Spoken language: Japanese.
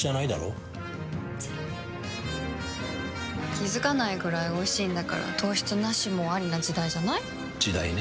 気付かないくらいおいしいんだから糖質ナシもアリな時代じゃない？時代ね。